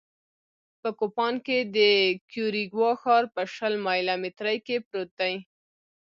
په کوپان کې د کیوریګوا ښار په شل مایله مترۍ کې پروت دی